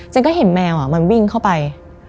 ก็เห็นแมวมันวิ่งเข้าไป